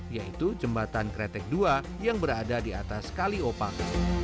yaitu jembatan kretek dua yang berada di atas kaliopang